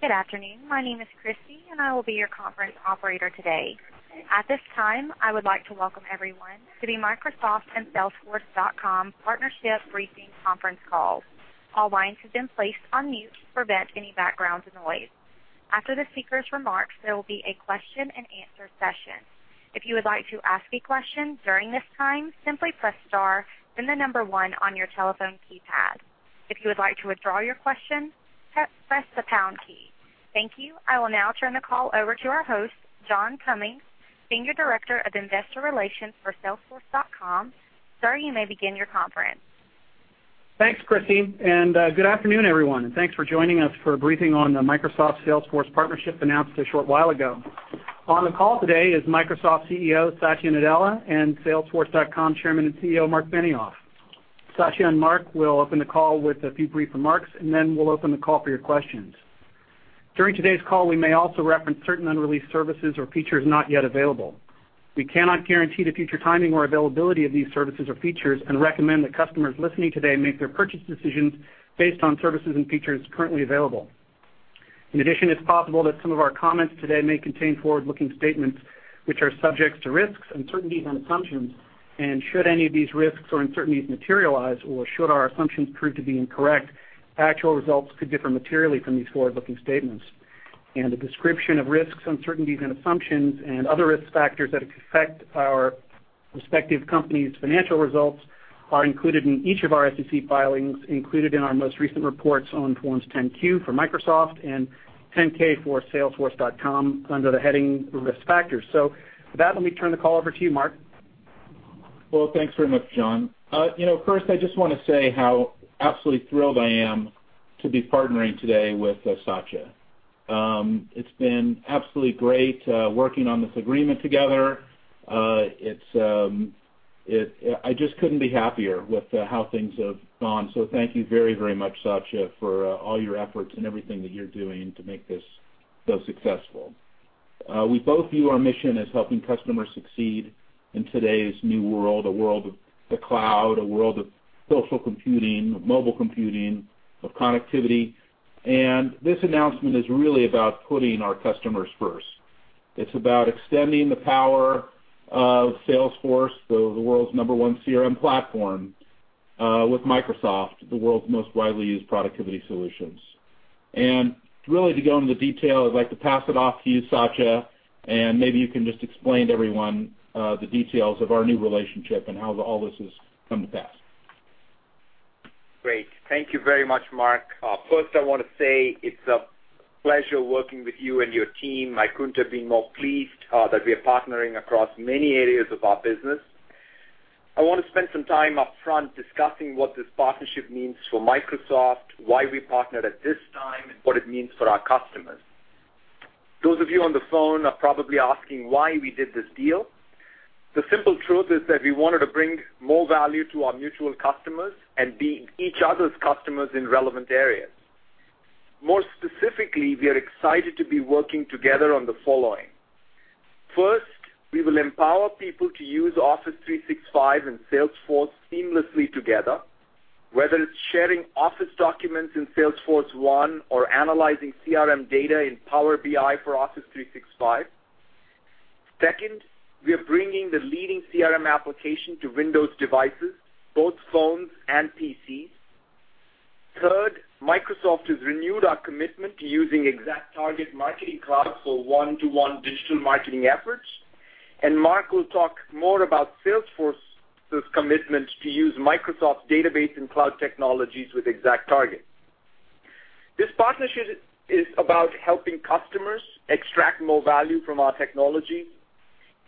Good afternoon. My name is Christy, and I will be your conference operator today. At this time, I would like to welcome everyone to the Microsoft and salesforce.com Partnership Briefing conference call. All lines have been placed on mute to prevent any background noise. After the speakers' remarks, there will be a question and answer session. If you would like to ask a question during this time, simply press star, then the number one on your telephone keypad. If you would like to withdraw your question, press the pound key. Thank you. I will now turn the call over to our host, John Cummings, Senior Director of Investor Relations for salesforce.com. Sir, you may begin your conference. Thanks, Christy. Good afternoon, everyone. Thanks for joining us for a briefing on the Microsoft Salesforce partnership announced a short while ago. On the call today is Microsoft CEO Satya Nadella and salesforce.com Chairman and CEO Marc Benioff. Satya and Marc will open the call with a few brief remarks. Then we'll open the call for your questions. During today's call, we may also reference certain unreleased services or features not yet available. We cannot guarantee the future timing or availability of these services or features and recommend that customers listening today make their purchase decisions based on services and features currently available. In addition, it's possible that some of our comments today may contain forward-looking statements, which are subject to risks, uncertainties and assumptions. Should any of these risks or uncertainties materialize, or should our assumptions prove to be incorrect, actual results could differ materially from these forward-looking statements. A description of risks, uncertainties and assumptions and other risk factors that could affect our respective company's financial results are included in each of our SEC filings included in our most recent reports on forms 10-Q for Microsoft and 10-K for salesforce.com under the heading Risk Factors. With that, let me turn the call over to you, Marc. Well, thanks very much, John. First, I just want to say how absolutely thrilled I am to be partnering today with Satya. It's been absolutely great working on this agreement together. I just couldn't be happier with how things have gone. Thank you very, very much, Satya, for all your efforts and everything that you're doing to make this so successful. We both view our mission as helping customers succeed in today's new world, a world of the cloud, a world of social computing, of mobile computing, of connectivity. This announcement is really about putting our customers first. It's about extending the power of Salesforce, the world's number one CRM platform, with Microsoft, the world's most widely used productivity solutions. Really to go into the detail, I'd like to pass it off to you, Satya, and maybe you can just explain to everyone the details of our new relationship and how all this has come to pass. Great. Thank you very much, Marc. First, I want to say it's a pleasure working with you and your team. I couldn't have been more pleased that we are partnering across many areas of our business. I want to spend some time upfront discussing what this partnership means for Microsoft, why we partnered at this time, and what it means for our customers. Those of you on the phone are probably asking why we did this deal. The simple truth is that we wanted to bring more value to our mutual customers and be each other's customers in relevant areas. More specifically, we are excited to be working together on the following. First, we will empower people to use Office 365 and Salesforce seamlessly together, whether it's sharing Office documents in Salesforce1 or analyzing CRM data in Power BI for Office 365. Second, we are bringing the leading CRM application to Windows devices, both phones and PCs. Third, Microsoft has renewed our commitment to using ExactTarget Marketing Cloud for one-to-one digital marketing efforts, and Marc will talk more about Salesforce's commitment to use Microsoft's database and cloud technologies with ExactTarget. This partnership is about helping customers extract more value from our technology.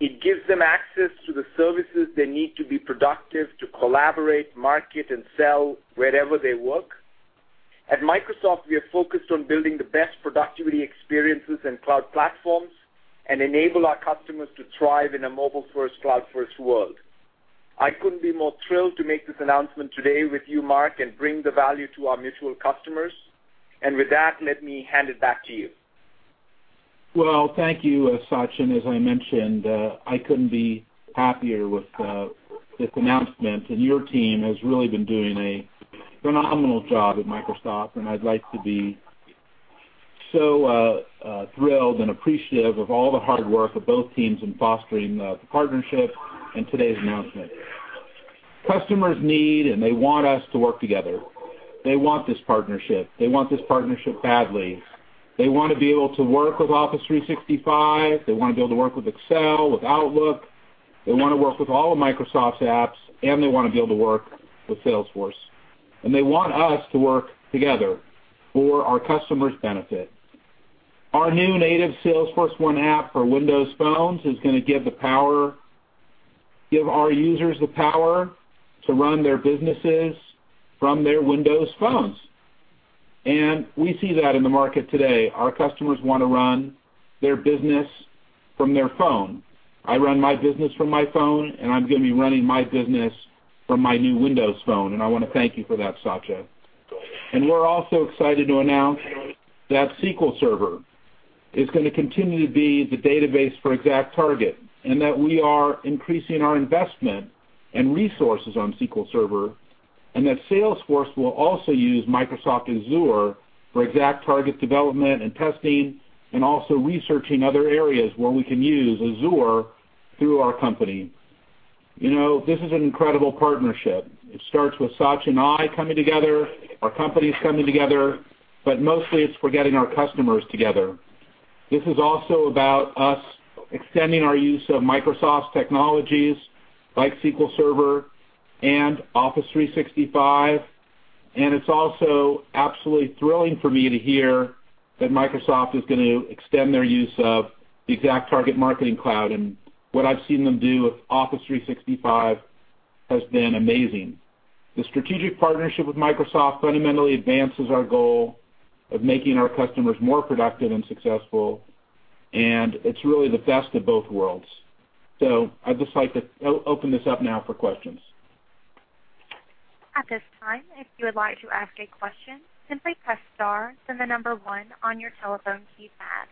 It gives them access to the services they need to be productive, to collaborate, market, and sell wherever they work. At Microsoft, we are focused on building the best productivity experiences and cloud platforms and enable our customers to thrive in a mobile-first, cloud-first world. I couldn't be more thrilled to make this announcement today with you, Marc, and bring the value to our mutual customers. With that, let me hand it back to you. Well, thank you, Satya. As I mentioned, I couldn't be happier with this announcement. Your team has really been doing a phenomenal job at Microsoft, and I'd like to be so thrilled and appreciative of all the hard work of both teams in fostering the partnership and today's announcement. Customers need, and they want us to work together. They want this partnership. They want this partnership badly. They want to be able to work with Office 365. They want to be able to work with Excel, with Outlook. They want to work with all of Microsoft's apps, and they want to be able to work with Salesforce. They want us to work together for our customers' benefit. Our new native Salesforce1 app for Windows phones is going to give our users the power to run their businesses from their Windows phones. We see that in the market today. Our customers want to run their business from their phone. I run my business from my phone, and I'm going to be running my business from my new Windows phone, and I want to thank you for that, Satya. We're also excited to announce that SQL Server is going to continue to be the database for ExactTarget, and that we are increasing our investment and resources on SQL Server, and that Salesforce will also use Microsoft Azure for ExactTarget development and testing, and also researching other areas where we can use Azure through our company. This is an incredible partnership. It starts with Satya and I coming together, our companies coming together, but mostly it's for getting our customers together. This is also about us extending our use of Microsoft's technologies like SQL Server and Office 365, and it's also absolutely thrilling for me to hear that Microsoft is going to extend their use of the ExactTarget Marketing Cloud. What I've seen them do with Office 365 has been amazing. The strategic partnership with Microsoft fundamentally advances our goal of making our customers more productive and successful, and it's really the best of both worlds. I'd just like to open this up now for questions. At this time, if you would like to ask a question, simply press star, then the number 1 on your telephone keypad.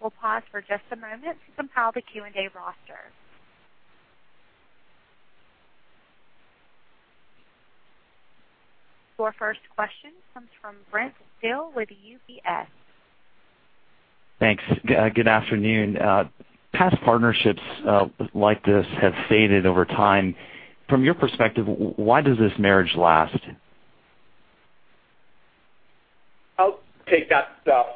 We'll pause for just a moment to compile the Q&A roster. Your first question comes from Brent Thill with UBS. Thanks. Good afternoon. Past partnerships like this have faded over time. From your perspective, why does this marriage last? I'll take that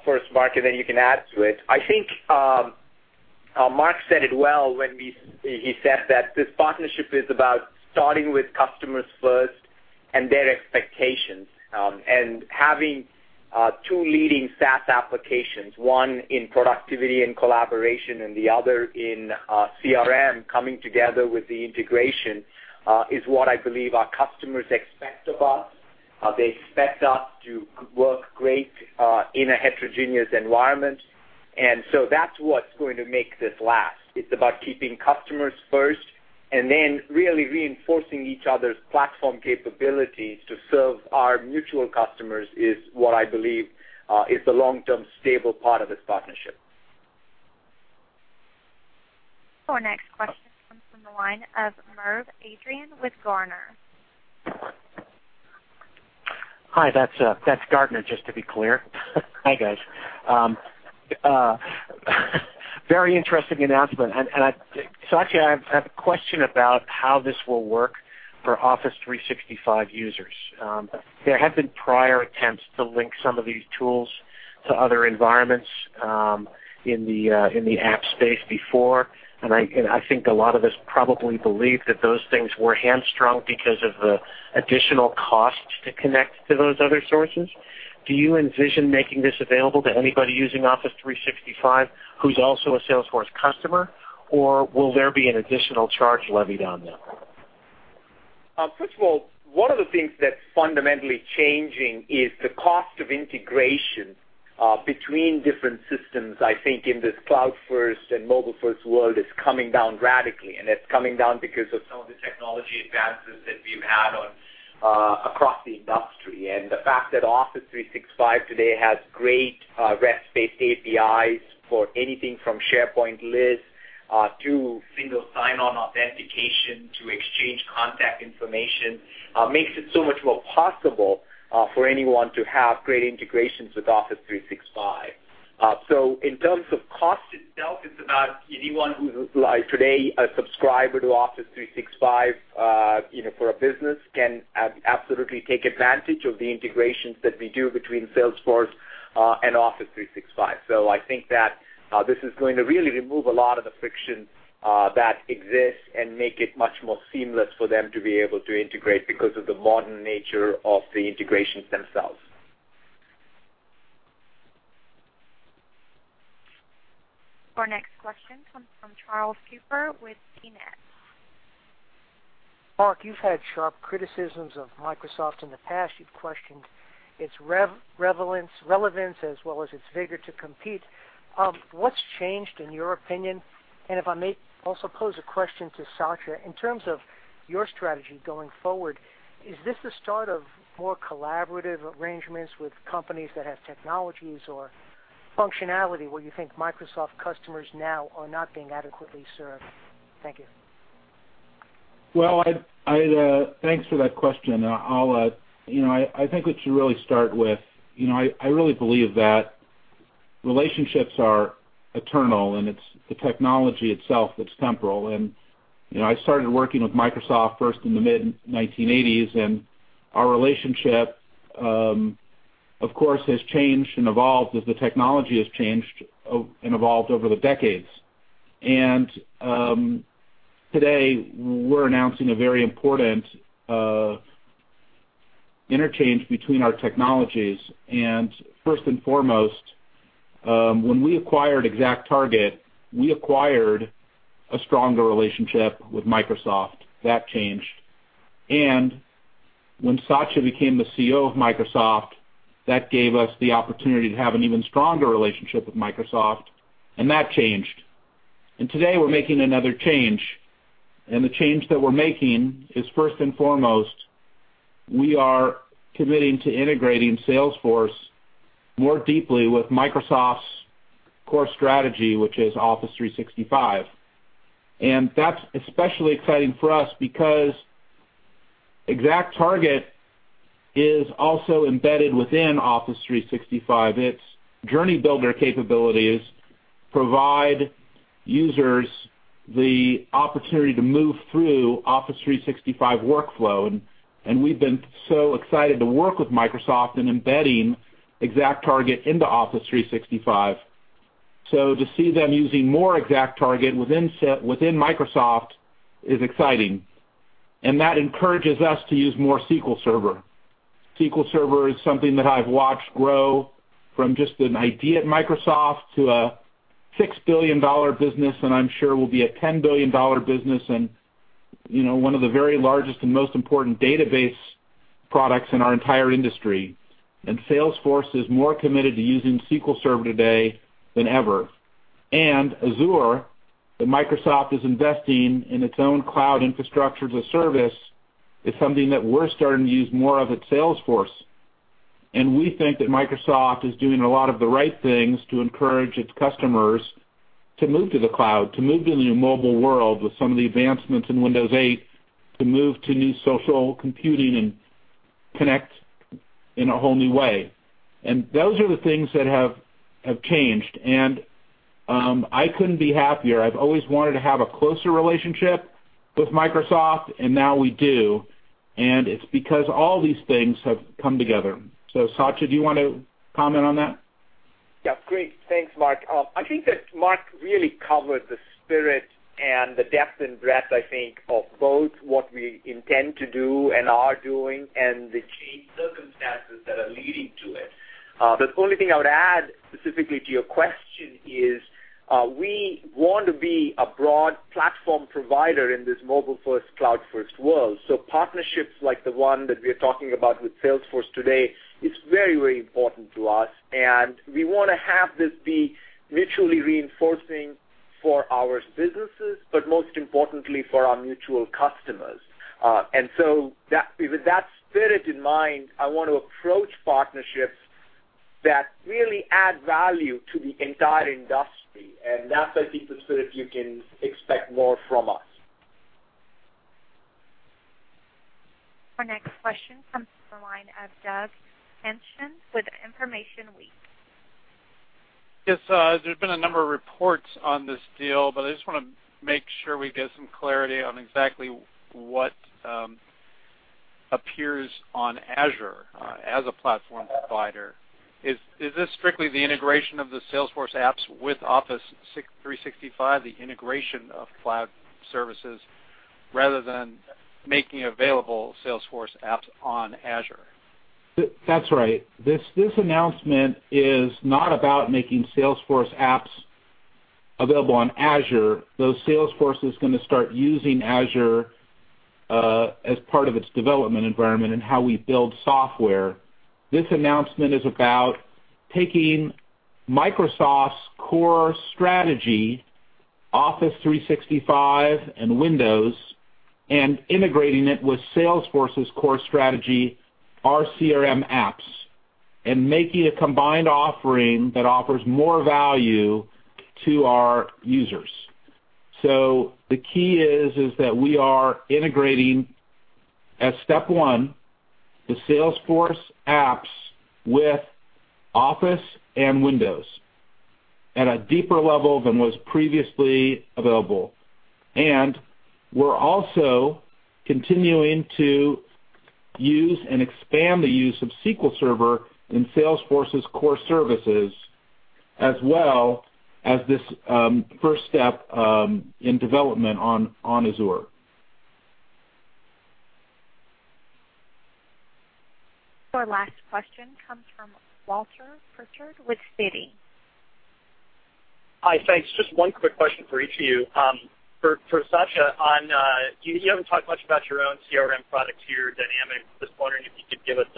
first, Marc, then you can add to it. I think Marc said it well when he said that this partnership is about starting with customers first and their expectations. Having two leading SaaS applications, one in productivity and collaboration and the other in CRM, coming together with the integration, is what I believe our customers expect of us. They expect us to work great in a heterogeneous environment. So that's what's going to make this last. It's about keeping customers first and then really reinforcing each other's platform capabilities to serve our mutual customers, is what I believe is the long-term stable part of this partnership. Our next question comes from the line of Merv Adrian with Gartner. Hi, that's Gartner, just to be clear. Hi, guys. Very interesting announcement. Satya, I have a question about how this will work for Office 365 users. There have been prior attempts to link some of these tools to other environments in the app space before, and I think a lot of us probably believe that those things were hamstrung because of the additional costs to connect to those other sources. Do you envision making this available to anybody using Office 365 who's also a Salesforce customer, or will there be an additional charge levied on them? First of all, one of the things that's fundamentally changing is the cost of integration between different systems, I think, in this cloud first and mobile first world, is coming down radically, and it's coming down because of some of the technology advances that we've had across the industry. The fact that Office 365 today has great REST-based APIs for anything from SharePoint lists to single sign-on authentication to exchange contact information, makes it so much more possible for anyone to have great integrations with Office 365. In terms of cost itself, it's about anyone who is today a subscriber to Office 365 for a business, can absolutely take advantage of the integrations that we do between Salesforce and Office 365. I think that this is going to really remove a lot of the friction that exists and make it much more seamless for them to be able to integrate because of the modern nature of the integrations themselves. Our next question comes from Charles Cooper with CNET. Marc, you've had sharp criticisms of Microsoft in the past. You've questioned its relevance as well as its vigor to compete. What's changed, in your opinion? If I may also pose a question to Satya, in terms of your strategy going forward, is this the start of more collaborative arrangements with companies that have technologies or functionality where you think Microsoft customers now are not being adequately served? Thank you. Well, thanks for that question. I think what you really start with, I really believe that relationships are eternal, and it's the technology itself that's temporal. I started working with Microsoft first in the mid-1980s, and our relationship, of course, has changed and evolved as the technology has changed and evolved over the decades. Today, we're announcing a very important interchange between our technologies. First and foremost, when we acquired ExactTarget, we acquired a stronger relationship with Microsoft. That changed. When Satya became the CEO of Microsoft, that gave us the opportunity to have an even stronger relationship with Microsoft, and that changed. Today, we're making another change. The change that we're making is, first and foremost. We are committing to integrating Salesforce more deeply with Microsoft's core strategy, which is Office 365. That's especially exciting for us because ExactTarget is also embedded within Office 365. Its Journey Builder capabilities provide users the opportunity to move through Office 365 workflow, we've been so excited to work with Microsoft in embedding ExactTarget into Office 365. To see them using more ExactTarget within Microsoft is exciting, that encourages us to use more SQL Server. SQL Server is something that I've watched grow from just an idea at Microsoft to a $6 billion business, I'm sure will be a $10 billion business, one of the very largest and most important database products in our entire industry. Salesforce is more committed to using SQL Server today than ever. Azure, that Microsoft is investing in its own cloud infrastructure as a service, is something that we're starting to use more of at Salesforce. We think that Microsoft is doing a lot of the right things to encourage its customers to move to the cloud, to move to the new mobile world with some of the advancements in Windows 8, to move to new social computing and connect in a whole new way. Those are the things that have changed. I couldn't be happier. I've always wanted to have a closer relationship with Microsoft, and now we do. It's because all these things have come together. Satya, do you want to comment on that? Yeah. Great. Thanks, Marc. I think that Marc really covered the spirit and the depth and breadth, I think, of both what we intend to do and are doing and the changed circumstances that are leading to it. The only thing I would add specifically to your question is, we want to be a broad platform provider in this mobile-first, cloud-first world. Partnerships like the one that we're talking about with Salesforce today is very important to us, and we want to have this be mutually reinforcing for our businesses, but most importantly for our mutual customers. With that spirit in mind, I want to approach partnerships that really add value to the entire industry, and that's, I think, the spirit you can expect more from us. Our next question comes from the line of Doug Henschen with InformationWeek. Yes. There's been a number of reports on this deal. I just want to make sure we get some clarity on exactly what appears on Azure as a platform provider. Is this strictly the integration of the Salesforce apps with Office 365, the integration of cloud services, rather than making available Salesforce apps on Azure? That's right. This announcement is not about making Salesforce apps available on Azure, though Salesforce is going to start using Azure as part of its development environment and how we build software. This announcement is about taking Microsoft's core strategy, Office 365 and Windows, and integrating it with Salesforce's core strategy, our CRM apps, and making a combined offering that offers more value to our users. The key is that we are integrating, as step one, the Salesforce apps with Office and Windows at a deeper level than was previously available. We're also continuing to use and expand the use of SQL Server in Salesforce's core services, as well as this first step in development on Azure. Our last question comes from Walter Pritchard with Citi. Hi, thanks. Just one quick question for each of you. For Satya on, you haven't talked much about your own CRM product here at Dynamics. Just wondering if you could give us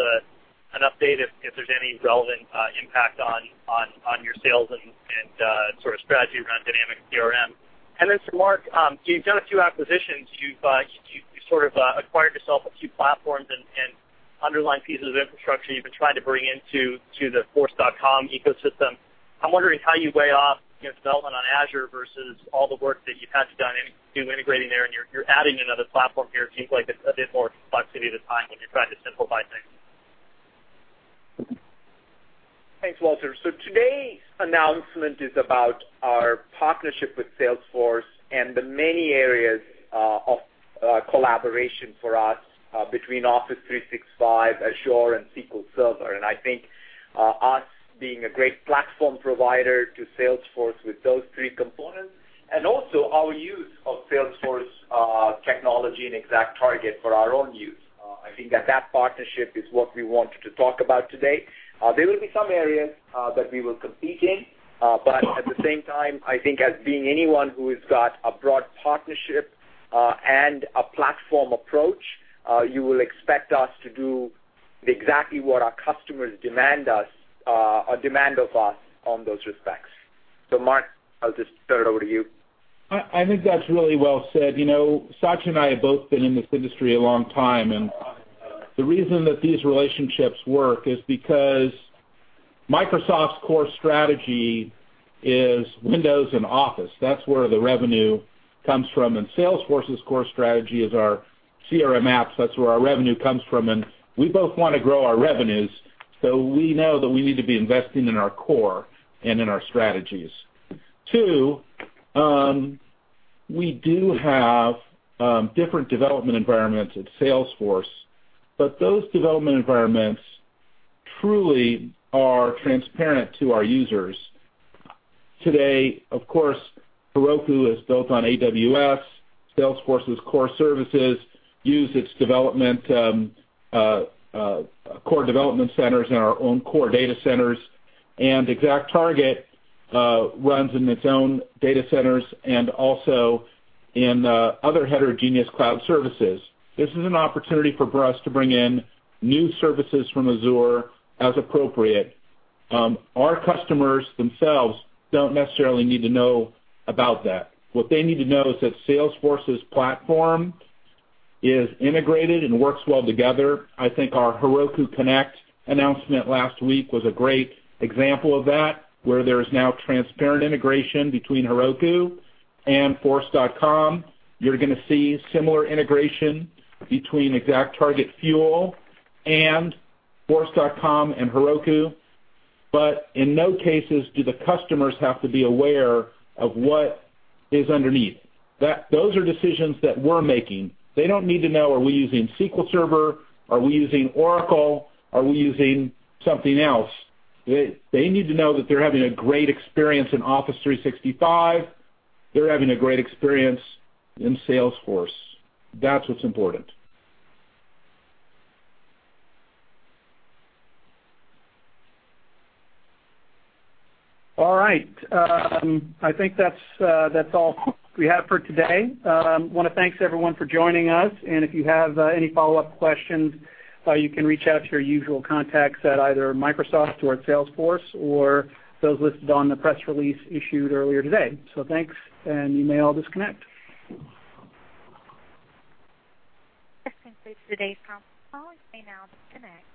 an update if there's any relevant impact on your sales and sort of strategy around Dynamics CRM. Then for Marc, you've done a few acquisitions. You've sort of acquired yourself a few platforms and underlying pieces of infrastructure you've been trying to bring into the Force.com ecosystem. I'm wondering how you weigh off development on Azure versus all the work that you've had to do integrating there, and you're adding another platform here. It seems like it's a bit more complexity at a time when you're trying to simplify things. Thanks, Walter. Today's announcement is about our partnership with Salesforce and the many areas of collaboration for us between Office 365, Azure, and SQL Server. I think us being a great platform provider to Salesforce with those three components, and also our use of Salesforce technology and ExactTarget for our own use. I think that partnership is what we wanted to talk about today. There will be some areas that we will compete in, but at the same time, I think as being anyone who has got a broad partnership and a platform approach, you will expect us to do exactly what our customers demand of us on those respects. Marc, I'll just turn it over to you. I think that's really well said. Satya and I have both been in this industry a long time. The reason that these relationships work is because Microsoft's core strategy is Windows and Office. That's where the revenue comes from. Salesforce's core strategy is our CRM apps. That's where our revenue comes from. We both want to grow our revenues. We know that we need to be investing in our core and in our strategies. Two, we do have different development environments at Salesforce, but those development environments truly are transparent to our users. Today, of course, Heroku is built on AWS. Salesforce's core services use its core development centers and our own core data centers. ExactTarget runs in its own data centers and also in other heterogeneous cloud services. This is an opportunity for us to bring in new services from Azure as appropriate. Our customers themselves don't necessarily need to know about that. What they need to know is that Salesforce's platform is integrated and works well together. I think our Heroku Connect announcement last week was a great example of that, where there is now transparent integration between Heroku and Force.com. You're going to see similar integration between ExactTarget, Fuel, and Force.com and Heroku. In no cases do the customers have to be aware of what is underneath. Those are decisions that we're making. They don't need to know, are we using SQL Server? Are we using Oracle? Are we using something else? They need to know that they're having a great experience in Office 365. They're having a great experience in Salesforce. That's what's important. All right. I think that's all we have for today. Want to thanks everyone for joining us. If you have any follow-up questions, you can reach out to your usual contacts at either Microsoft or at Salesforce or those listed on the press release issued earlier today. Thanks. You may all disconnect. This concludes today's conference call. You may now disconnect.